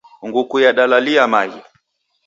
Nguku yadalalia maghi.